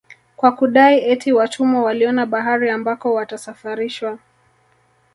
Kwa kudai eti watumwa waliona bahari ambako watasafarishwa